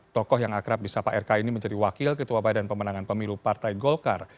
tokoh yang akrab di sapa rk ini menjadi wakil ketua badan pemenangan pemilu partai golkar